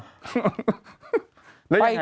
ไปถึงพี่มดดำ